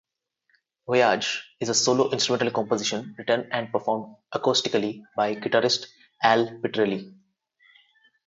Voyage is a solo instrumental composition written and performed acoustically by guitarist Al Pitrelli.